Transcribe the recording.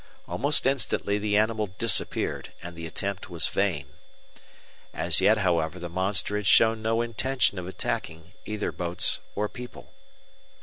Almost instantly the animal disappeared, and the attempt was vain. As yet, however, the monster had shown no intention of attacking either boats or people.